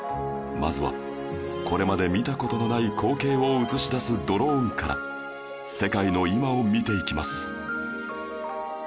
まずはこれまで見た事のない光景を映し出すドローンから世界の今を見ていきます